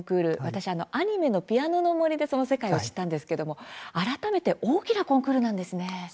私はアニメの「ピアノの森」で、その世界を知ったんですが改めて大きなコンクールなんですね。